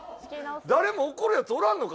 誰も怒るヤツおらんのか？